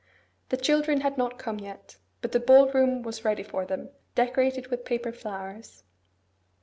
The children had not come yet; but the ball room was ready for them, decorated with paper flowers.